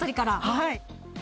はい。